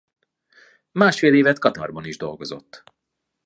Másfél évet Katarban is dolgozott.